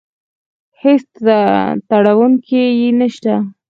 هېڅ تروړونکی يې نشته.